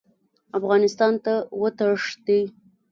افغانستان ته وتښتي.